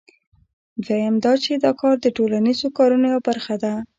دویم دا چې دا کار د ټولنیزو کارونو یوه برخه ده